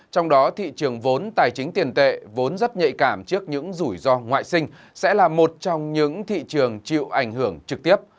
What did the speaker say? trong đó thị trường vốn tài chính tiền tệ vốn rất nhạy cảm trước những rủi ro ngoại sinh sẽ là một trong những thị trường chịu ảnh hưởng trực tiếp